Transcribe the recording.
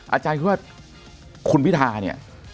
อาจารย์คิดว่าคุณพิธาเนี่ย